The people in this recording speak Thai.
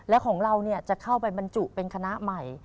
และของเราจะเข้าไปบรรจุเป็นคณะใหม่